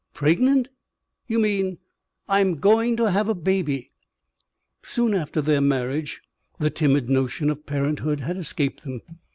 Pregnant? You mean " "I'm going to have a baby." Soon after their marriage the timid notion of parenthood had escaped them.